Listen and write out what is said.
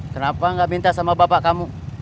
kenapa nggak minta sama bapak kamu